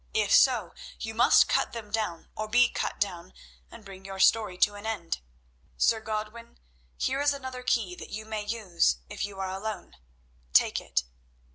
If so, you must cut them down or be cut down, and bring your story to an end. Sir Godwin, here is another key that you may use if you are alone. Take it."